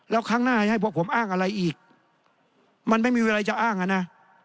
แล้วครั้งหน้าให้พวกผมอ้างอะไรอีกมันไม่มีเวลาจะอ้างอ่ะนะ